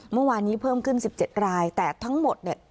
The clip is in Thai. เมื่อวานนี้เพิ่มขึ้น๑๗รายแต่ทั้งหมดเนี่ย